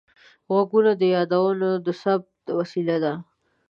غوږونه د یادونو د ثبت وسیله ده